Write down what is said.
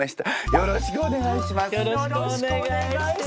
よろしくお願いします。